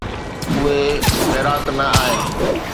اهي خيرات نه آهن.